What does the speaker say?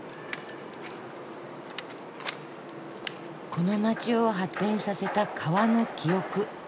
この街を発展させた川の記憶